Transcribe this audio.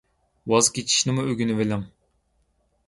ۋاز كېچىشنىمۇ ئۆگىنىۋېلىڭ.